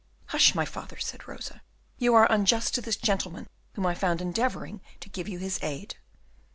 "Hush, my father," said Rosa, "you are unjust to this gentleman, whom I found endeavouring to give you his aid."